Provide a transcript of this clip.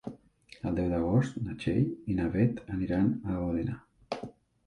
El deu d'agost na Txell i na Beth aniran a Òdena.